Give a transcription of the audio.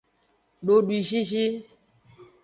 Dodwizizi.